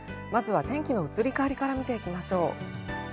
まずは天気の移り変わりから見ていきましょう。